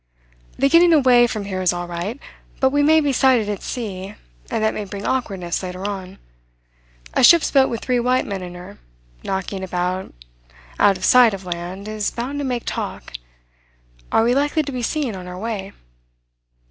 "The getting away from here is all right; but we may be sighted at sea, and that may bring awkwardness later on. A ship's boat with three white men in her, knocking about out of sight of land, is bound to make talk. Are we likely to be seen on our way?"